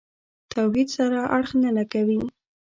توحید سره اړخ نه لګوي.